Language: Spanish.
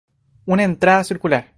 Una entrada circular.